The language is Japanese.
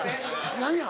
何や？